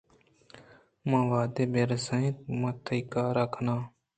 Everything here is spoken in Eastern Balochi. من ءَ وھد بہ رس ایت من تئی کار ءَ کن آں ۔